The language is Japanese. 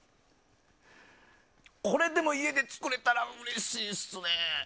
これ、でも家で作れたらうれしいっすね。